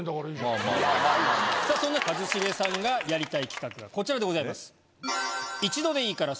さぁそんな一茂さんがやりたい企画がこちらでございます。